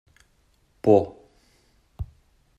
Por.